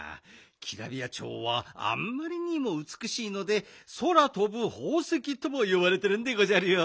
キラビヤチョウはあんまりにもうつくしいので「そらとぶほうせき」ともよばれてるんでごじゃるよ。